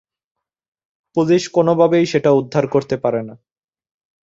Police কোনোভাবেই সেটা উদ্ধার করতে পারেনা।